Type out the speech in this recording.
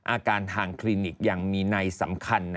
อาการทางคลินิกยังมีในสำคัญ